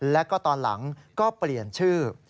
แล้วก็ตอนหลังก็เปลี่ยนชื่อ